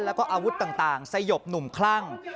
แล้วก็อาวุธต่างสยบหนุ่มคลั่ง